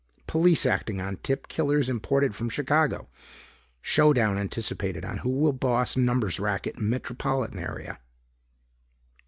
police acting on tip killers imported from Chicago ... showdown anticipated on who will boss numbers racket in metropolitan area...."